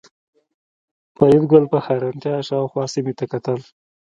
فریدګل په حیرانتیا شاوخوا سیمې ته کتل